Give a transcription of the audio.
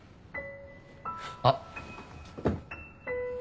あっ。